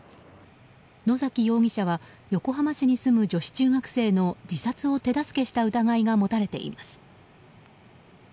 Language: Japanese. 野崎容疑者は横浜市に住む女子中学生の自殺を手助けした疑いが持たれています。